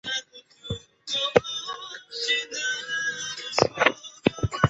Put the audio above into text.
它在中国大陆和台湾都没有列入百家姓前一百位。